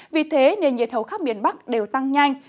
vì thế nền nhiệt hầu khắp miền bắc đều tăng nhanh